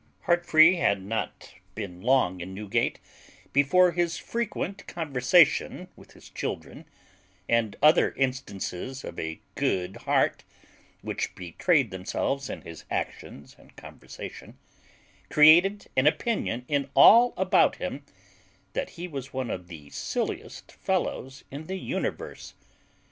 Heartfree had not been long in Newgate before his frequent conversation with his children, and other instances of a good heart, which betrayed themselves in his actions and conversation, created an opinion in all about him that he was one of the silliest fellows in the universe.